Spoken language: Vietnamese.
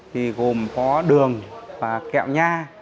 thì gồm có đường và kẹo nha